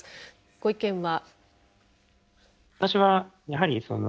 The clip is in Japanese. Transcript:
ご意見は？